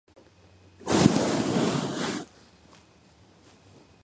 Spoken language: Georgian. ზოგი შეტანილია ატლანტისა და წყნარი ოკეანეების კუნძულებზე, აგრეთვე ჩრდილოეთ ავსტრალიაში.